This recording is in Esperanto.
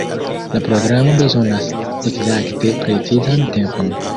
La programo bezonas ekzakte precizan tempon.